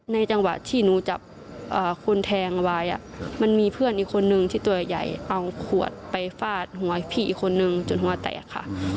ในจังหวะที่นู้จับคนแทงวาย